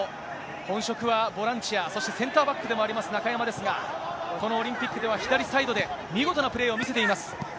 本職はボランチや、そしてセンターバックでもあります、中山ですが、このオリンピックでは左サイドで、見事なプレーを見せています。